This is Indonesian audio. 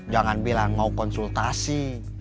jangan bilang mau konsultasi